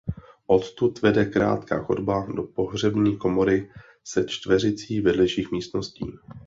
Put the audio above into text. Odtud vede krátká chodba do pohřební komory se čtveřicí vedlejších místností.